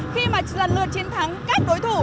khi mà lần lượt chiến thắng các đối thủ